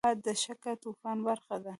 باد د شګهطوفان برخه ده